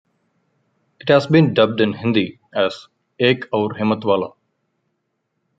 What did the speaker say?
It has been dubbed in Hindi as "Ek Aur Himmathwala".